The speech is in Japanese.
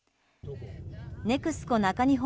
ＮＥＸＣＯ中日本